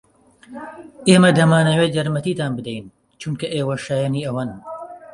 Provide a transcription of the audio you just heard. ئێمە دەمانەوێت یارمەتیتان بدەین چونکە ئێوە شایەنی ئەوەن.